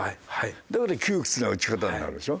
だから窮屈な打ち方になるでしょ。